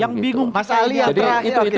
yang bingung mas ali yang terakhir jadi itu